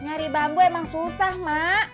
nyari bambu emang susah mbak